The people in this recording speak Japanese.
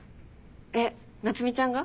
えっ夏海ちゃんが？